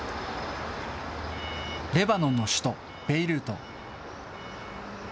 レバノンの首都ベイルート。